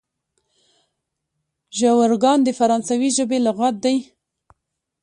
ژورګان د فرانسوي ژبي لغات دئ.